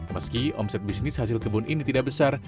meski omset bisnis hasil kebun ini tidak besar